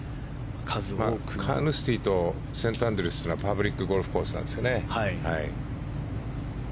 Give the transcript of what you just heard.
カーヌスティとセントアンドリュースはパブリックゴルフコースなんですよね。